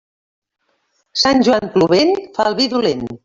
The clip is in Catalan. Sant Joan plovent fa el vi dolent.